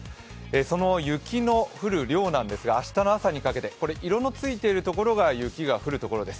その雪の降る量なんですが、明日の朝にかけて色のついているところが雪の降るところです。